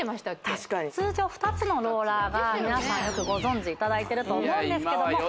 確かに通常２つのローラーが皆さんよくご存じいただいてると思うんですけどもいや